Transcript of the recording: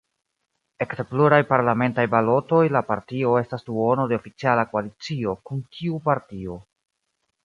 Ekde pluraj parlamentaj balotoj la partio estas duono de oficiala koalicio kun tiu partio.